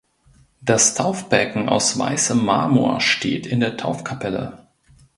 Das Taufbecken aus weißem Marmor steht in der Taufkapelle.